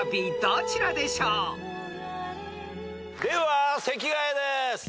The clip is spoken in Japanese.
では席替えでーす。